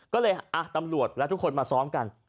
ก็เลยตำรวจและทุกคนมาซ้อมกัน